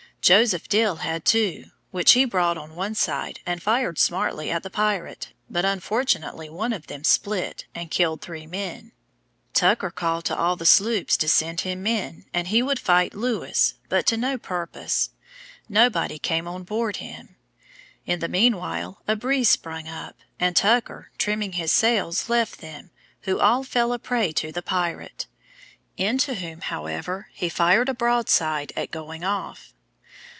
Joseph Dill had two, which he brought on one side, and fired smartly at the pirate, but unfortunately one of them split, and killed three men. Tucker called to all the sloops to send him men, and he would fight Lewis, but to no purpose; nobody came on board him. In the mean while a breeze sprung up, and Tucker, trimming his sails, left them, who all fell a prey to the pirate; into whom, however, he fired a broadside at going off.